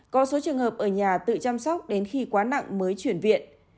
có số trường hợp ở nhà tự chăm sóc đến khi quá nặng mới chuyển viện